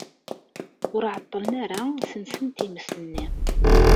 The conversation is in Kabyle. Ur ɛeṭṭlen ara ssensen times-nni.